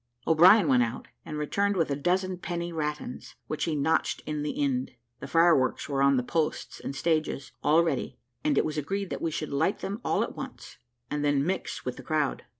O'Brien went out, and returned with a dozen penny rattans, which he notched in the end. The fireworks were on the posts and stages, all ready, and it was agreed that we should light them all at once, and then mix with the crowd.